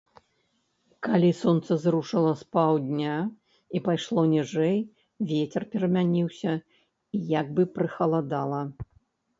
Калі сонца зрушыла з паўдня і пайшло ніжэй, вецер перамяніўся, і як бы прыхаладала.